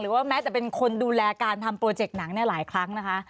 ว่าแม้จะเป็นคนดูแลการทำโปรเจกต์หนังหลายครั้งนะคะ